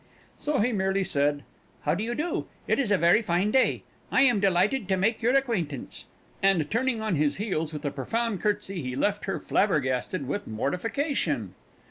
So he merely said; "How do you do? It is a very fine day. I am delighted to make your acquaintance," and turning on his heels with a profound curtsey, he left her flabbergasted with mortification.